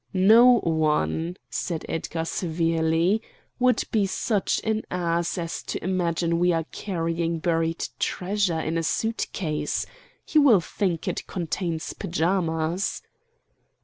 "No one," said Edgar severely, "would be such an ass as to imagine we are carrying buried treasure in a suit case. He will think it contains pajamas."